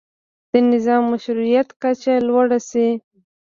د نظام مشروطیت کچه لوړه شي.